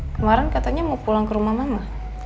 kemarin katanya mau pulang ke rumah mama